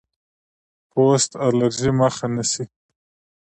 پوست الرجي مخه نیسي.